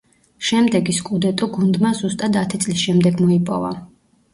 შემდეგი „სკუდეტო“ გუნდმა ზუსტად ათი წლის შემდეგ მოიპოვა.